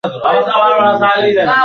কম্পিটিশনের একটা প্রশ্নও জাতের না।